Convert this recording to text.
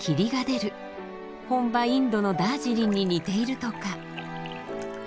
本場インドのダージリンに似ているとか。